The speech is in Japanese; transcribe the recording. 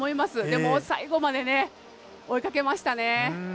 でも最後まで追いかけましたね。